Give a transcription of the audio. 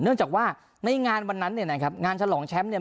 เนื่องจากว่าในงานวันนั้นเนี่ยนะครับงานฉลองแชมป์เนี่ย